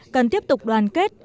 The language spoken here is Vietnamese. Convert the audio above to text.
cần tiếp tục đoàn kết